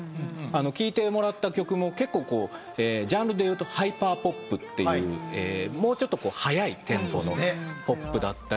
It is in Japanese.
聴いてもらった曲もジャンルでいうとハイパーポップというもうちょっと速いテンポのポップだったり。